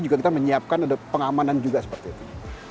juga kita menyiapkan ada pengamanan juga seperti itu